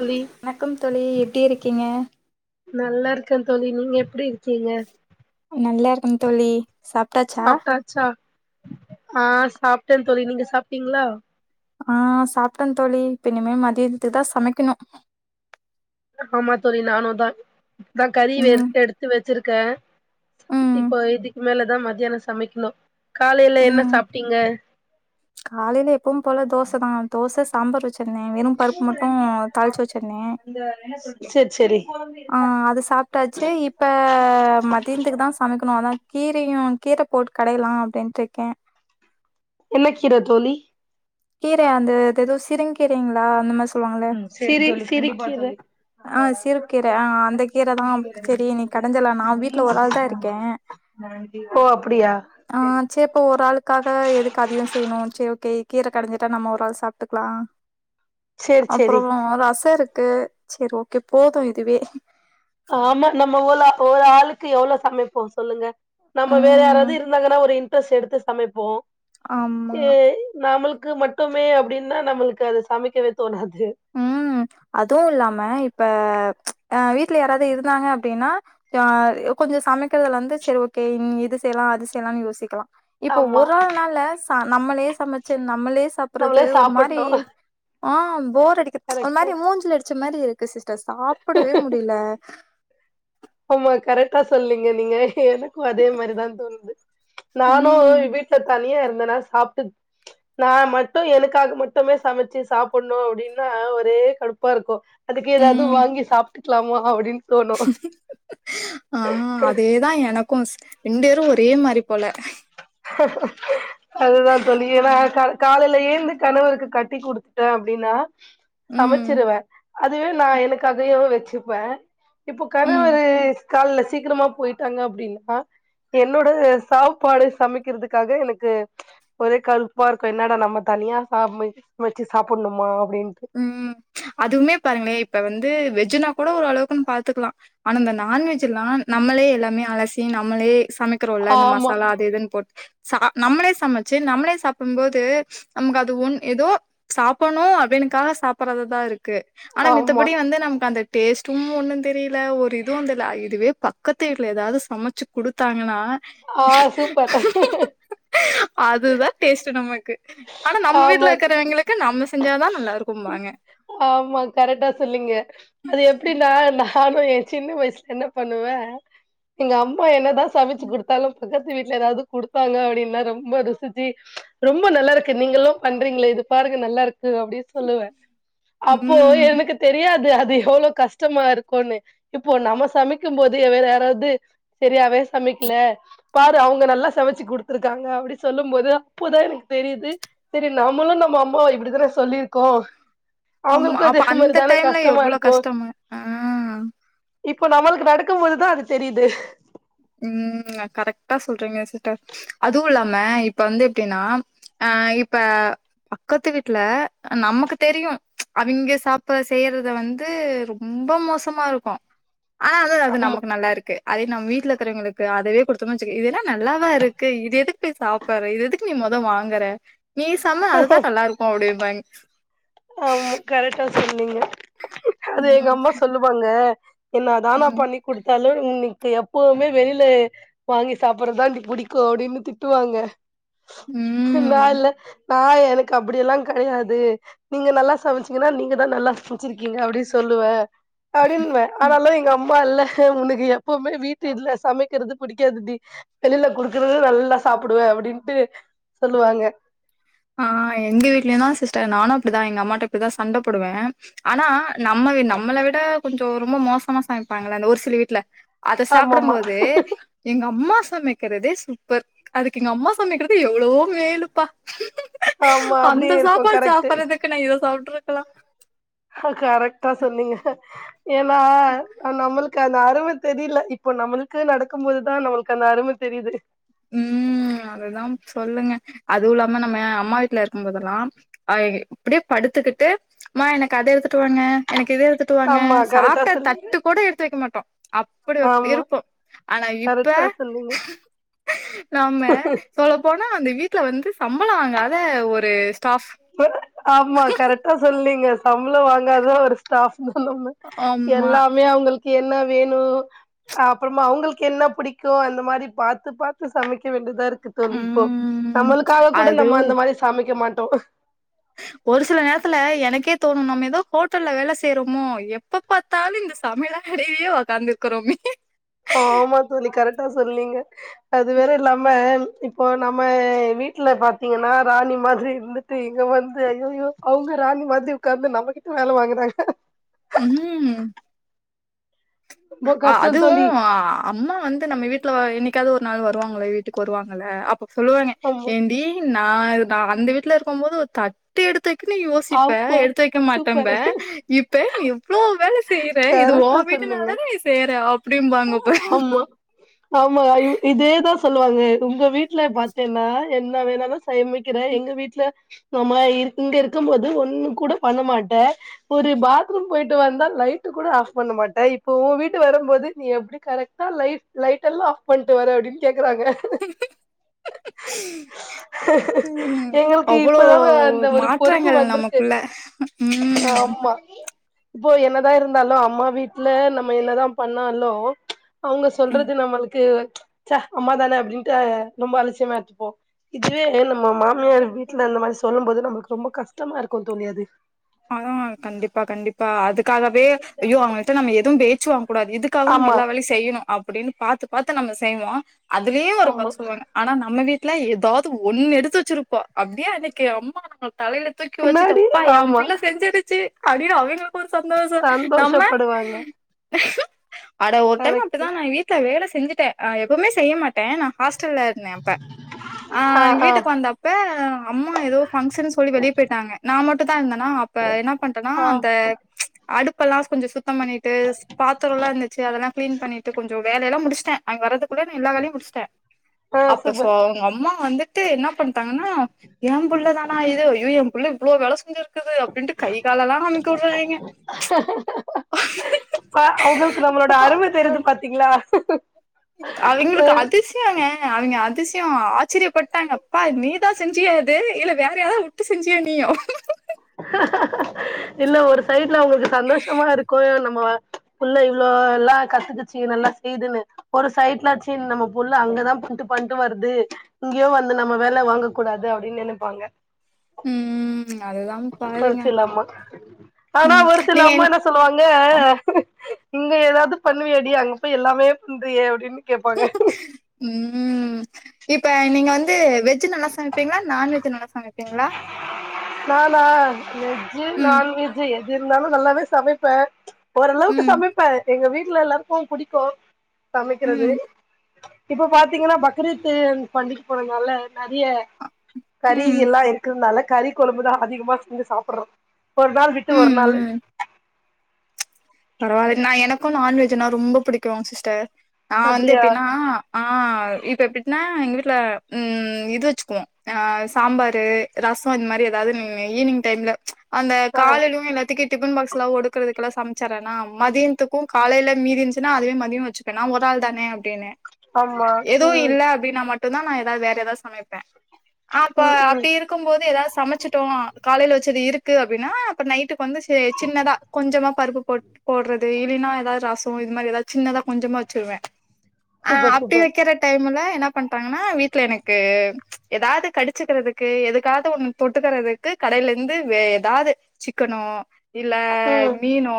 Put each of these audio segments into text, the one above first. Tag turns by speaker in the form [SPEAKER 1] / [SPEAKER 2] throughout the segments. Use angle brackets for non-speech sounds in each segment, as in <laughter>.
[SPEAKER 1] தோழி
[SPEAKER 2] வணக்கம் தோழி எப்டி இருக்கீங்க
[SPEAKER 1] நல்லா இருக்கே தோழி நீங்க எப்டி இருக்கீங்க
[SPEAKER 2] ம் தோழி சாப்ட்டாச்சா
[SPEAKER 1] சாப்ட்டாச்சா ஆ சாப்ட்டே தோழி நீங்க சாப்ட்டீங்களா
[SPEAKER 2] ஆ சாப்ட்டே தோழி இப்ப இனிமே மதியத்துக்குதா சமைக்கணு
[SPEAKER 1] ஆமா தோழி நானுந்தா நா கறிவே
[SPEAKER 2] ம்
[SPEAKER 1] எடுத்து எடுத்து வச்சிருக்கே
[SPEAKER 2] ம்
[SPEAKER 1] இப்ப இதுக் மேலதா மத்தியானோ சமைக்கணு காலேல என்ன சாப்ட்டீங்க
[SPEAKER 2] காலேல எப்பவு போல தோச தா தோச சாம்பார் வச்சி தே வெறு பருப்பு மட்டு தாளிச்சி வச்சிருந்தே
[SPEAKER 1] செரி செரி
[SPEAKER 2] ஆ அது சா சாப்டாச்சி இப்ப மதியத்துக்கு தா சமைக்கணு அதா கீரையு கீர போட்டு கடையலா அப்டின்ட்டுருக்கே
[SPEAKER 1] என்ன கீர தோழி
[SPEAKER 2] கீர அந்த எதோ சிறுங்கீரைங்களா அந்த மாதி
[SPEAKER 1] சிறு சிறுகீர
[SPEAKER 2] ஆ சிறு கீர ஆ அந்த கீரதா செரி இன்னக்கி கடஞ்சிறலா நா வீட்ல ஒராள் தா இருக்கே
[SPEAKER 1] ஓ அப்டியா
[SPEAKER 2] ஆ சே அப்ப ஒரு ஆளுக்காக எதுக்கு அதயு செய்யணு செரி ஓகே கீர கடஞ்சிட்டா நம்ம ஒராள் சாப்ட்டுக்கலா
[SPEAKER 1] சேரி
[SPEAKER 2] அப்றோ
[SPEAKER 1] சேரி
[SPEAKER 2] ரச இருக் கு செரி ஓகே போது இதுவே
[SPEAKER 1] ஆமா நம்ம ஓலா ஒரு ஆளுக்கு எவ்ளோ சமைப்போ சொல்லுங்க நம்ம வேற யாராவது
[SPEAKER 2] ம்
[SPEAKER 1] இருந்தாங்கன்னா ஒரு இன்ட்ரெஸ்ட் எடுத்து சமைப்போ
[SPEAKER 2] ஆமா
[SPEAKER 1] ஏ நம்மளுக் கு மட்டுமே அப்டின்னா நம்மளுக்கு அது சமைக்கவே தோணாது
[SPEAKER 2] ம் அதுவு இல்லாம இப்ப ஆ வீட்ல யாராவது இருந்தாங்க அப்டின்னா ஜா கொஞ்சோ சமைக்கிறதுல வந்து செரி ஓகே இது செய்யலா அது செய்யலான்னு யோசிக்கலா இப்ப
[SPEAKER 1] ஆமா
[SPEAKER 2] ஒரு ஆள் நால நம்மளே சமைச்சி நம்மளே சாப்ட்றது
[SPEAKER 1] நம்மளே
[SPEAKER 2] ஒரு மாரி
[SPEAKER 1] சாப்புட்ணு
[SPEAKER 2] ஆ போர் அடிக்க ஒரு
[SPEAKER 1] கரெக்ட்டு
[SPEAKER 2] மாரி மூஞ்சில அடிச்ச மாரி இருக் கு சிஸ்டர் சாப்டவே முடியல
[SPEAKER 1] ஆமா கரெக்டா சொல்லீங்க நீங்க எனக்கு அதே மாரிதா தோணுது நானு
[SPEAKER 2] ம்
[SPEAKER 1] வீட்ல தனியா இருந் தேன்னா சாப்ட்டு நா மட்டு எனக்காக மட்டுமே சமைச்சி சாப்டணு அப்டின்னா ஒரு கடுப்பா இருக்கு அதுக்கு ஏதாவது
[SPEAKER 2] ம்
[SPEAKER 1] வாங்கி சாப்ட்டுக்கலாமா அப்டின்னு தோணு
[SPEAKER 2] ஆ அதேதா எனக்கு ரெண்டேரு ஒரே மாறி போல
[SPEAKER 1] அதுதா தோழி
[SPEAKER 2] ஆ,
[SPEAKER 1] ஏன்னா கா காலேல எழுந்து கணவருக்கு கட்டி குடுத்துட்டே அப்டின்னா
[SPEAKER 2] ம்
[SPEAKER 1] சமச்சிருவ அதுவே நா எனக்கு அதையு வச்சுப்ப இப்போ
[SPEAKER 2] ம்
[SPEAKER 1] கணவர்ரு கால்ல சீக்கிரமா போயிட்டாங்க அப்டின்னா என்னோட சாப்பாடு சமைக்கிறதுக்காக எனக்கு ஒரே கருப்பா இருக்கு என்னடா நம்ம தனி னியா சமைச்சு வச்சு சாப்புணுமா
[SPEAKER 2] உம் அதுவுமே பாருங்களே இப்ப வந்து வெஜ் வெஜ்னா கூட ஓரளவுக்குன்னு பாத்துக்கலா ஆனா இந்த நான்வெஜ்லா நம்மளே எல்லாமே அலசி நம்மளே சமைக்கிறோல இந்த
[SPEAKER 1] ஆமா
[SPEAKER 2] மசாலா அது இதுன்னு போட்டு சா நம்மளே சமச்சு நம்மளே சாப்டும்போது நமக்கு அது ஒன் ஏதோ சாப்பன்ணு அப்டின்னு க்காக சாப்பறது தா இருக்கு ஆனா
[SPEAKER 1] ஆமா
[SPEAKER 2] மித்தபடி வந்து நமக்கு அந்த டேஸ்ட்டும் ஒன்னு தெரில ஒரு இதுவு தெர்ல இதுவே பக்கத்து வீட்ல எதாவது சமச்சு குடுத்தாங்கன்னா <inaudible>
[SPEAKER 1] ஆ சூப்பர்
[SPEAKER 2] அதுதா டேஸ்ட்டு நமக்கு ஆனா நம்ம வீட்ல
[SPEAKER 1] ஆமாக்கா
[SPEAKER 2] இருக்கிறவங்களுக்கு நம்ம செஞ்சாதா நல்லா இருக்கு
[SPEAKER 1] ஆமா கரெக்டா சொல்லுங்க அது எப்டின்னா நானு என் சின்ன வயசுல என்னா பண்ணுவ எங்க அம்மா என்னதா சமச்சு குடுத்தாலு பக்கத்து வீட்ல எதாவது குடுத்தாங்க அப்டின்னா ரொம்ப ருசிச்சு ரொம்ப ரொம்ப நல்லா இருக்கு நீங்களு பண்றீங்களே இது பாருங்க நல்லா இருக்கு அப்டின்னு சொல்லுவ அப்போ
[SPEAKER 2] ம்.
[SPEAKER 1] எனக்கு தெரியாது அ து எவ்ளோ கஷ்டமா இருக்குன்னு இப்போ நம்ம சமைக்கும் போது வேற யாராவது செரியாவே சமைக்கில பாரு அவங்க நல்லா சமச்சு குடுத்துருக்காங்க அப்டி சொல்லும் போது அப்போதா எனக் தெரிது செரி நம்மளு நம்ம அம்மாவ இப்டித்தான சொல்லிர்கோ
[SPEAKER 2] ஆம்மா அப்ப அந்த டைம்ல எவ்ளோ
[SPEAKER 1] இருக்கும்
[SPEAKER 2] கஷ்டம ஆ
[SPEAKER 1] இப்போ நம்மளுக்கு நடக்கு போதுதா அது தெரிது
[SPEAKER 2] உம் கரெக்டா சொல்றீங்க சிஸ்டர் அதுவு இல்லாம இப்ப வந்து எப்டின்னா அ இப்ப பக்கத்து வீட்ல நமக்கு தெரியு அவிங்க சாப்ப செய்யறத வந்து ரொம்ப மோசமா இருக்கு ஆனா வந்து அது
[SPEAKER 1] ஆமா
[SPEAKER 2] நமக்கு நல்லா இருக்கு அதையு நம்ம வீட்ல க்கிறவங்களுக்கு அதவே குடுத்தோன வெச்சிக இதெல்லா நல்லாவா இருக்கு இது எதுக் போய் சாப்பற இது எது நீ மொத வாங்கற நீ செம அதுதா நல்லா இருக்கு அப்டிபாங்க
[SPEAKER 1] ஆமா கரெக்டா சொன்னீங்க அது எங்க
[SPEAKER 2] ம்
[SPEAKER 1] அம்மா சொல்லுவாங்க என்னா தா நா
[SPEAKER 2] ம்
[SPEAKER 1] பண்ணி குடுத்தாலு இன்னைக் கி எப்போமே வெளில வாங்கி சாப்பறது தான்டி புடிக்கு அப்டின்னு திட்டுவாங்க
[SPEAKER 2] ம்
[SPEAKER 1] நா இல்ல நா எனக்கு அப்டி எல்லா கெடையாது நீங்க நல்லா சமச்சீங்கன்னா நீங்க தா நல்லா சமச்சிருக்கீங்க அப்டின்னு சொல்லுவ அப்டின்வே ஆனாலு எங்க அம்மா இல்ல உனக்கு எப்பவுமே வீட்டில்ல சமைக்கிறது புடிக்காதுடி வெளில குடுக்குறது நல்லா சாப்புடுவ அப்டின்ட்டு சொல்லுவாங்க
[SPEAKER 2] ஆஹ் எங்க வீட்லயு தா சிஸ்டர் நானு அப்டிதா எங்க அம்மாட்ட இப்டிதா சண்ட போடுவ ஆனா நம்ம நம்மள விட கொஞ்சோ ரொம்ப மோசமா சமைப்பாங்கள அந்த ஒரு சில வீட்ல அத சாப்படும்
[SPEAKER 1] ஆமாமா
[SPEAKER 2] போது எங்க அம்மா சமைக்கிறதே சூப்பர் அதுக்கு எங்க அம்மா சமைக்கிறது எவ்ளவோ மேலுப்பா
[SPEAKER 1] ஆமா
[SPEAKER 2] <inaudible> அந்த
[SPEAKER 1] அப்டியே இருக்கு
[SPEAKER 2] சாப்பாடு
[SPEAKER 1] கரெக்ட்டு
[SPEAKER 2] சாப்பாறதுக்கு நா இத சாப்டுருக்கலா
[SPEAKER 1] கரெக்டா சொன்னீங்க ஏனா நம்மளு க்கு அந்த அரும தெரில இப்போ நம்மளுக்கு நடக்கு போதுதா நம்மளுக்கு அந்த அரும தெரிது
[SPEAKER 2] உம் ம் அதுதா சொல்லுங்க அதுவு இல்லாம நம்ம அம்மா வீட்ல இருக்கும் போதெல்லாம் அ இப்டியே படு த்துக்கிட்டு மா எனக்கு அத எடுத்துட்டு வாங்க எனக் இத எடுத்துட்டு வாங்க
[SPEAKER 1] ஆமா கரெக்டா
[SPEAKER 2] சாப்ட
[SPEAKER 1] சொன்னீங்க
[SPEAKER 2] தட்டு கூட எடுத்து வெக்க மாட்டோ அப்டி
[SPEAKER 1] ஆமா
[SPEAKER 2] இருப்போ ஆனா இப்ப
[SPEAKER 1] கரெக்டா சொன்னீங்க
[SPEAKER 2] நம்ம சொல்ல போனா அந்த வீட்ல வந்து சம்பளோ வாங்காத ஒரு ஸ்டாஃப்
[SPEAKER 1] ஆமா கரெக்டா சொல்லீங்க சம்பளோ வாங்காத ஒரு ஸ்டாஃப் <inaudible>
[SPEAKER 2] ஆமா
[SPEAKER 1] எல்லாமே அவங்களுக்கு என்ன வேணு அப்றமா அவுங்ளுக்கு என்ன பிடிக்கு அந்த மாரி பாத்து பாத்து சமைக்க வேண்டியதா இருக்கு க்கு தோழி இப்போ
[SPEAKER 2] ம்
[SPEAKER 1] நம்மளுக்காக கூட நம்ம அந்த மாரி சமைக்க மாட்டோ
[SPEAKER 2] ஹ ஒரு சில நேரத்துல எனக்கே தோணு நம்ம ஏதோ ஹோட்டல்ல வேலை செய்றோமோ எப்ப பாத்தாலு இந்த சமையல எடயயே உக்காந்துருக்கிறோம்
[SPEAKER 1] ஆமா தோழி கரட்டா சொன்னீங்க அது வேற நம்ம இப்போ நம்ம வீட்ல பாத்தீங்கனா ராணி மாதிரி இருந்துட்டு இங்க வந்து ஐயயோ அவுங்க ராணி மாதிரி உக்காந்து நம்மகிட்ட வேல வாங்குறாங்க
[SPEAKER 2] ம்
[SPEAKER 1] ரொம்ப கஷ்டோ
[SPEAKER 2] அதுவூ
[SPEAKER 1] தோழி
[SPEAKER 2] அம்மா வந்து நம்ம வீட்ல இன்னை என்னக்காவது ஒரு நாள் வருவாங்கள வீட்டுக்கு வருவாங்கள அப்போ சொல்லுவாங்க
[SPEAKER 1] ஆமா
[SPEAKER 2] ஏண்டி நா அந்த வீட்ல இருக்கு போது ஒரு தட்டு எடுத்து த்துக்குன்னு யோசிப்ப
[SPEAKER 1] ஆமா
[SPEAKER 2] எடுத்து வைக்க மாட்டேன்ப
[SPEAKER 1] சூப்பர்
[SPEAKER 2] இப்ப நீ எவ்ளோ வேலை செ
[SPEAKER 1] கரட்டா சொன்னீங்க
[SPEAKER 2] அப்டிம்பாங்க இப்ப
[SPEAKER 1] ஆமா ஆமா இதேதா சொல்லுவாங்க உங்க வீட்ல பாத்தேனா என்ன வேணாலு சமைக்கிற எங்க வீட்ல நம்ம ஏ இங்க இருக்கு போது ஒன்னு கூட பண்ண மாட்ட ஒரு பாத்ரூம் போயிட்டு வந்தா லைட் கூட ஆஃப் பண்ண மாட்ட இப்போ உன் வீட்டு வரும்போது நீ எப்டி கரெக்டா லைட் லைட்எல்லாம் ஆஃப் பண்ட்டு வர அப்டின்னு கேட் க்றாங்க
[SPEAKER 2] <inaudible> ம்
[SPEAKER 1] <inaudible> எங்களுக்கு
[SPEAKER 2] அவ்ளோ
[SPEAKER 1] இப்பதா அந்த ஒரு பொறுப்பு
[SPEAKER 2] மாற்றங்கள்
[SPEAKER 1] வந்ருக்கு
[SPEAKER 2] நமக்குள்ள ம்
[SPEAKER 1] ஆமா இப்போ என்னதா இருந்தாலு அம்மா வீட்ல நம்ம என்னதா பண்ணாலோ அவுங்க
[SPEAKER 2] ம்
[SPEAKER 1] சொல்றது நம்மளுக்கு ச்ச அம்மா தான அப்டின்டு ரொம்ப அலட்சியமா எத்துபோம் இதுவேடயல் நம்ம மாமியார் வீட்ல இந்த மாரி சொல்லு போது நமக்கு ரொம்ப கஷ்டமா இருக்கு தோழி அது
[SPEAKER 2] ஆ கண்டிப்பா கண்டிப்பா அதுக்காகவே ஐயோ அவங்ள்ட்ட நம்ம எதுவும் பேச்சு வாங்க கூடாது இதுக்காகவே நம்ம
[SPEAKER 1] ஆமா
[SPEAKER 2] எல்லா வேலையு செய்யணு அப்டின்னு பாத்து பாத்து நம்ம செய்வோ அதுவே ஒரு குறை
[SPEAKER 1] ஆமா
[SPEAKER 2] சொல்வாங்க ஆனா நம்ம வீட்ல ஏதாவது ஒண்ணு எடுத்து வச்சிருப் ப்போ அப்டியே அன்னைக்கு அம்மா நா தலையில தூக்கி வச்சுட்டு
[SPEAKER 1] என்னாடி
[SPEAKER 2] அப்பா எ
[SPEAKER 1] ஆமா
[SPEAKER 2] பிள்ள செஞ்சிடுச்சு அப்டின்னு அவங்களுக்கு ஒரு சந்தோஷ நம்ம
[SPEAKER 1] சந்தோஷப்படுவாங்க
[SPEAKER 2] அட ஒரு டைம்
[SPEAKER 1] கரெக்ட்டு
[SPEAKER 2] அப்டிதா நா வீட்ல வேல செஞ்சுட்டேன் எப்பவுமே செய்ய மாட்டேன் நான் ஹாஸ் ஹாஸ்டல்ல இருந்தே அப்ப ஆ எங்க வீட்டுக்கு வந்தப்ப அம்மா ஏதோ பங்க்ஷன் சொல்லி வெளிய போயிட்டாங்க நான் மட்டு தான் இருந்தனா அப்ப என்ன பண்றனா
[SPEAKER 1] ஆ
[SPEAKER 2] அந்த அடுப் கடுப்பு எல்லா கொஞ்சசுத்த பண்ணிட்டு பாத்திரலா இருந்துச்சு அதெல்லாம் கிளீன் பண்ணிட்டு கொஞ்ச வேலெல்லாம் முடிச்சிட்டேன் அவங்க வறதுக்கு வேனு எல்லா வேலையு முடிச்ட்ட
[SPEAKER 1] ஆ
[SPEAKER 2] அப்ப சோ
[SPEAKER 1] சூப்பர்
[SPEAKER 2] அவுங்க அம்மா வந்து த்து என்ன பண்டாங்கனா என் புள்ள தானா இது ஐயோ என் புள்ள இவ்ளோ வேலை செஞ்சுரு இருக்குது அப்டின்ட்டு கை காலல்லா அமுக்கி விடுறாயங்க
[SPEAKER 1] அ அவுங்களுக்கு நம்மளோட அருமை தெரிது பாத்தீங்களா
[SPEAKER 2] அவங்களுக்கு
[SPEAKER 1] ஒரு
[SPEAKER 2] அதிசயங்க அவங்க அதிசி யம் ஆச்சரியபட்டாங்க அப்பா நீதா செஞ்சியா இது இல்ல வேற யாராது விட்டு செஞ்சியா நீ
[SPEAKER 1] இல்ல ஒரு சைட்ல அவுங்களுக்கு சந்தோஷமா இருக்கு ஏ நம்ம புள்ள இவ்ளோ எல்லா கத்துகுச்சு நல்லா செய்துன்னு ஒரு சைட்லாச்சு நம்ம புள்ள அங்கதா பண்ட்டு பண்ட்டு வருது இங்கயு வந்து நம்ம வேலை வாங்க கூடாது அப்டின்னு நெனைப்பாங்க
[SPEAKER 2] ம்ம்
[SPEAKER 1] பர்சு இல்லாம ஆனா
[SPEAKER 2] ம்
[SPEAKER 1] ஒரு சில
[SPEAKER 2] நீங்க
[SPEAKER 1] அம்மா
[SPEAKER 2] என்
[SPEAKER 1] என்னா சொல்லுவாங்க இங்க ஏதாவது பண்ணுவியாடி அங்க போய் எல்லாமே பண்றியே அப்டின்னு கேப்பாங்க
[SPEAKER 2] ம் இப்ப நீங்க வந் வெஜ் நல்லா சமைபீங்களா நான்வெஜ் நல்லா சமைபீங்களா
[SPEAKER 1] நானா வெஜ்ஜி நான்வெஜ்ஜி எது இருந்தாலு நல்லாவே சமைப்பே ஓரளவுக்கு
[SPEAKER 2] ம்
[SPEAKER 1] சமைப்பே எங்க வீட்டுல எல்லாருக்கு புடிக்கும் சமைக்றது
[SPEAKER 2] ம்
[SPEAKER 1] இப்ப பாத்தீங்கன்னா பக்ரீத்து பண்டிக போனனால நெறைய கறி
[SPEAKER 2] ம்
[SPEAKER 1] எல்லா இருக்குறனால கறி கொழம்புதா அதிகமா செஞ்சு சாப்புட்றோ ஒரு நாள் விட்டு ஒரு
[SPEAKER 2] ம்
[SPEAKER 1] நாள்
[SPEAKER 2] ம் பரவால்ல நா எனக்கும் நான்வெஜ்னா ரொம்ப புடிக்கு சிஸ்டர் நா வந்து
[SPEAKER 1] அப்டியா
[SPEAKER 2] எப்டின்னா ஆஹ் இப்ப எப்பிட்னா எங்க வீட்டுல இது ம் வச்சுக்குவோ சாம்பாரு ரசோ இந் மாரி எதாவது ம் ஈவினிங் டைம்ல அந்த
[SPEAKER 1] ஆ
[SPEAKER 2] காலையிலு எல்லாத்திக்கி டிபன் பாக்ஸ்ஸுல்லா ஒடுக்கறதுக்கெல்லா சமச் சரேனா மதினத்துக்கும் காலையில மீதிந்துச்சுன்னா அதுவே மதியம் வச்சுப்பேனா நா ஒரு ஆள் தானே அப்டின்னு
[SPEAKER 1] ஆமா
[SPEAKER 2] எதுவு
[SPEAKER 1] ம்
[SPEAKER 2] இல்ல அப்டின் நா மட் டுந்தா நா ஏதாவது வேற ஏதாவது சமைப்பே அப்ப
[SPEAKER 1] ம் ம்
[SPEAKER 2] அப்டி இருக்கும் போது ஏதாவது சமைச்சிட்டோ காலையில வச்சது இருக்கு அப்டின்னா அப்புறம் நைட்டுக்கு வந்து ச சின்னதா கொஞ்சமா பருப்பு போ போட்றது இல்லினா ஏதாவது ரஸ் மாரி ஏதாவது சின்னதா கொஞ்சமா வச்சிருவே ஆஹ்
[SPEAKER 1] சூப்பர்
[SPEAKER 2] அப்டி
[SPEAKER 1] சூப்பர்
[SPEAKER 2] வெக்கிற டைம்ல பண்டாங்கன்னா வீட்டுல எனக்கு எதாவது கடிச்சுக்கிறதுக்கு எதுக்காவது ஒண்ணு தொட்டுக்கிறதுக்கு கடையில இந்து வேற ஏதாவது சிக்க னோ இல்ல
[SPEAKER 1] ம்
[SPEAKER 2] மீனோ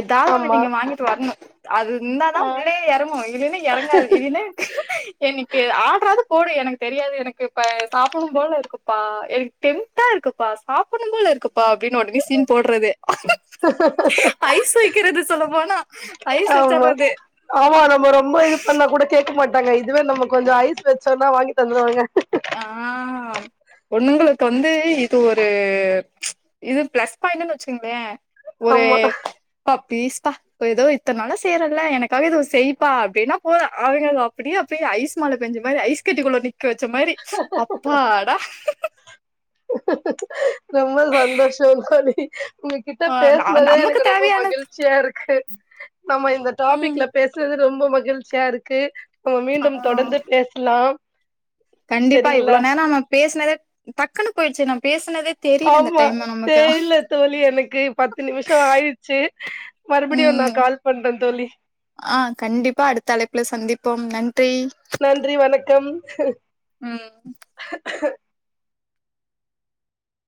[SPEAKER 2] எதாவது ஒண்ணு
[SPEAKER 1] ஆமா
[SPEAKER 2] நீங்க வாங்கிட்டு வரணு அது இந்தாதா
[SPEAKER 1] ஆ
[SPEAKER 2] உள்ளயே எறங்கு இல்லேன்னா உள்ளயே எறங்காது இதுன்னு எனக்கு ஆட்ரா வது போடு எனக்கு தெரியாது எனக்கு இப்ப சாப்பன்னும் போல இருக்குப்பா எனக்கு டெம்ட்டா இருக்குப்பா சாப்பன்னும் போல இருக்குப் பா அப்டின்னு உடனே சீன் போட்றது ஐஸ் வைக்கிறது சொல்லப்போனா ஐஸ்
[SPEAKER 1] ஆமா
[SPEAKER 2] வச்சர்றது
[SPEAKER 1] ஆமா நம்ப ரொம்ப இது பண்ணா கூட கேட்க மாட்டாங்க இதுவே நம்ம கொஞ்சம் ஐஸ் வச்சோம்னா வாங்கி தந்துருவாங்க
[SPEAKER 2] ஆஹ்ம் பொண்ணுங்களுக்கு வந்து இது ஒரு இது பிளஸ் பாயிண்டுன்னு வச்சுங்கங்களே ஒரு
[SPEAKER 1] ஆமா
[SPEAKER 2] பக் ப்லீஸ்பா ஏதோ இத்தன நாளா செய்றேன்ல எனக்காகவே இதுவு செய்ப்பா அப்டின்னா போது அவிய்ங்க அப்டியே அப்டியே ஐஸ் மழ பெஞ்ச மாரி ஐஸ் கட்டிக்குள்ள நிக்க வச்ச மாரி அப்பாடா
[SPEAKER 1] ரொம்ப சந்தோஷோ தோழி உங்க கிட்ட
[SPEAKER 2] ஆ
[SPEAKER 1] பேசுனதே
[SPEAKER 2] நமக்கு
[SPEAKER 1] எனக்கு ரொம்ப
[SPEAKER 2] தேவையான
[SPEAKER 1] மகிழ்ச்சியா இருக்கு நம்ம இந்த
[SPEAKER 2] ம்
[SPEAKER 1] டாபிக்ல பேஸ்னது ரொம்ப மகிழ்ச்சியா இருக்கு
[SPEAKER 2] ஆ
[SPEAKER 1] மீண்டும் தொடர்ந்து பேசலாம்
[SPEAKER 2] கண்டிப்பா இவ்ளே
[SPEAKER 1] சரிங்களா
[SPEAKER 2] நேரோ நம்ம பேசினதே டக்குன்னு போயிடுச்சு நம்
[SPEAKER 1] ஆம்மா தெரியல தோழி எனக்கு பத்து நிமிஷம் ஆயிடுச்சி மறுபடியும் நா கால் பண்றே தோழி
[SPEAKER 2] ஆஹ் கண்டிப்பா அடுத்த அழைப்புல சந்திப்போம் நன்றி
[SPEAKER 1] நன்றி வணக்கம்
[SPEAKER 2] ம்